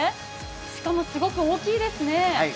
しかもすごく大きいですね。